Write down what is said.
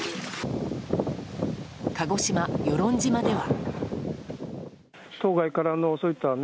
鹿児島・与論島では。